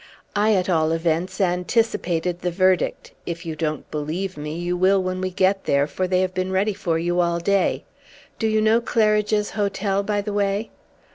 I, at all events, anticipated the verdict; if you don't believe me, you will when we get there, for they have been ready for you all day. Do you know Claridge's Hotel, by the way?"